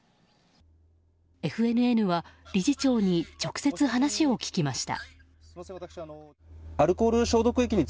ＦＮＮは、理事長に直接話を聞きました。